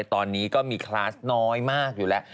ตอนนี้ก็มีคลาสน้อยมากอยู่แล้ว